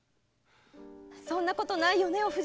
そんなことないよね？